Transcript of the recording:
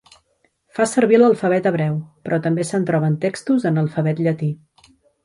Fa servir l'alfabet hebreu, però també se'n troben textos en alfabet llatí.